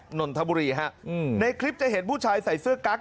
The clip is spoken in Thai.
นนทบุรีฮะอืมในคลิปจะเห็นผู้ชายใส่เสื้อกั๊ก